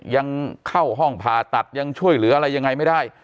ยังเข้าห้องผ่าตัดยังช่วยเหลืออะไรยังไงไม่ได้